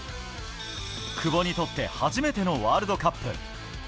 久保にとって、初めてのワールドカップ。